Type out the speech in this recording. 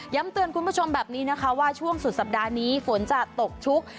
เตือนคุณผู้ชมแบบนี้นะคะว่าช่วงสุดสัปดาห์นี้ฝนจะตกชุก